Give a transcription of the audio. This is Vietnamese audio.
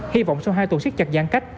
hy vọng sau hai tuần siết chặt giãn cách